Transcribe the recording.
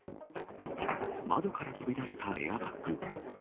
窓から飛び出したエアバッグ。